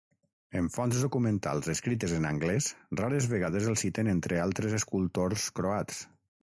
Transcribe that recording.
En fonts documentals escrites en anglès, rares vegades el citen entre altres escultors croats.